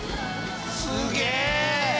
すげえ！